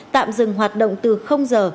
tạm dừng hoạt động từ giờ